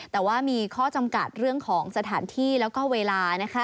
แต่ว่ามีข้อจำกัดเรื่องของสถานที่แล้วก็เวลานะคะ